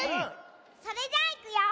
それじゃあいくよ。